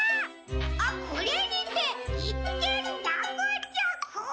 「あっこれにていっけんらくちゃく！」。